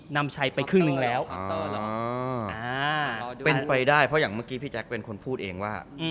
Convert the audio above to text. นำชัยไปครึ่งหนึ่งแล้วเป็นไปได้เพราะอย่างเมื่อกี้พี่แจ๊คเป็นคนพูดเองว่า